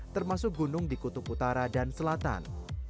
termasuk gunung di kutub utara dan selatan